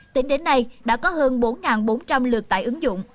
tính đến nay đã có hơn bốn bốn trăm linh lượt tải ứng dụng